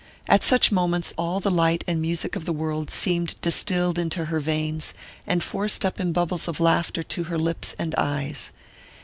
At such moments all the light and music of the world seemed distilled into her veins, and forced up in bubbles of laughter to her lips and eyes.